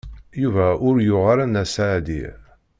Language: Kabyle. Yuba ur yuɣ ara Nna Seɛdiya.